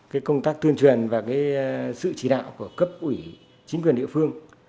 cái công tác tuyên truyền và cái sự chỉ đạo của cấp ủy chính quyền địa phương